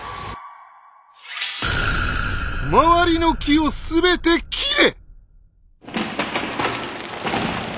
周りの木を全て切れ！